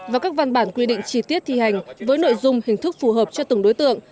và các văn bản quy định chi tiết thi hành với nội dung hình thức phù hợp cho từng đối tượng